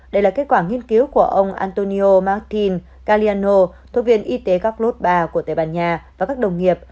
đây là kết quả nghiên cứu của ông antonio martín galeano thuộc viên y tế các lốt ba của tây ban nha và các đồng nghiệp